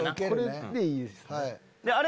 これでいいですね。